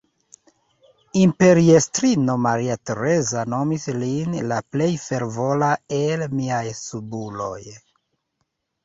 Imperiestrino Maria Tereza nomis lin "la plej fervora el miaj subuloj".